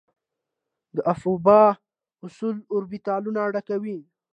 د افباؤ اصول اوربیتالونه ډکوي.